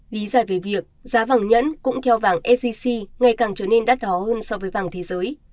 lý giải về việc giá vàng nhẫn cũng theo vàng sgc ngày càng trở nên đắt đó hơn so với vàng thế giới